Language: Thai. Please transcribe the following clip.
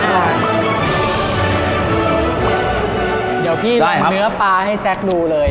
เดี๋ยวพี่ลองเนื้อปลาให้แซคดูเลย